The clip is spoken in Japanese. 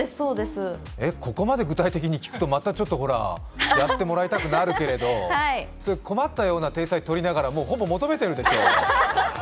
ここまで具体的に聞くとまたやってもらいたくなるけど困ったような体裁とりながらも、もう、ほぼ求めてるでしょう。